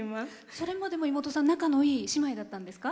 それまでも妹さん仲のいい姉妹だったんですか？